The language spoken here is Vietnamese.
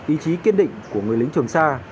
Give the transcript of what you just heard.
ý chí kiên định của người lính trường sa